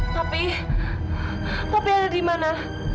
papi papi ada dimana